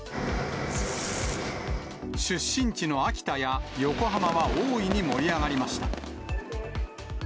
出身地の秋田や横浜は大いに盛り上がりました。